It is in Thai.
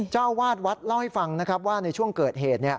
เจ้าอาวาสวัดเล่าให้ฟังนะครับว่าในช่วงเกิดเหตุ